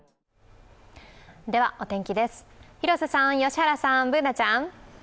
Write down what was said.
お天気です、広瀬さん、良原さん、Ｂｏｏｎａちゃん。